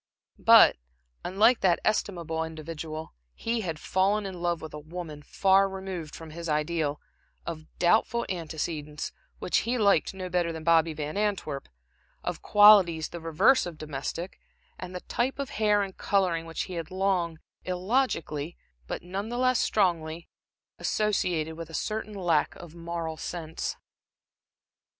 But, unlike that estimable individual, he had fallen in love with a woman far removed from his ideal, of doubtful antecedents which he liked no better than Bobby Van Antwerp, of qualities the reverse of domestic, and the type of hair and coloring which he had long illogically, but none the less strongly, associated with a certain lack of moral sense.